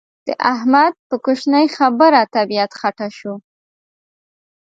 د احمد په کوشنۍ خبره طبيعت خټه شو.